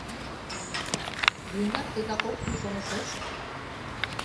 Еҥгат тегак ок кӱл, шонышыч.